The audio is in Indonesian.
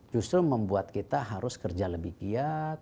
justru membuat kita harus kerja lebih giat